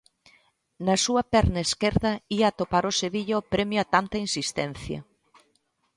Na súa perna esquerda ía atopar o Sevilla o premio a tanta insistencia.